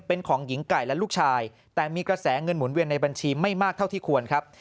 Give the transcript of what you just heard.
เป็นของหญิงไก่และลูกชายแต่มีกระแสเงินหมุนเวียนในบัญชีไม่มากเท่าที่ควรครับ